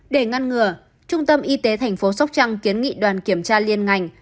để ngăn ngừa trung tâm y tế tp sốc trăng kiến nghị đoàn kiểm tra liên ngành